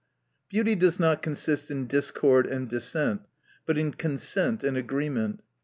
— Beauty does not consist in discord and dissent, but in consent and agreement.